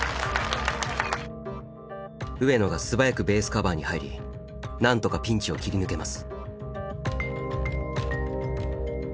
上野が素早くベースカバーに入りなんとかピンチを切り抜けます。